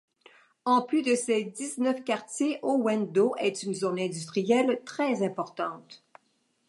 En plus de ses dix-neuf quartiers, Owendo est une zone industrielle très importante.